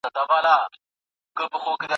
که نجونې یو بل سره خندا وکړي نو زړه به نه وي تنګ.